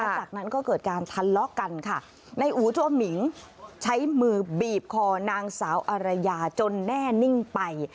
จากนั้นก็เกิดการทะเลาะกันค่ะนายอู๋จัวหมิงใช้มือบีบคอนางสาวอารยาจนแน่นิ่งไป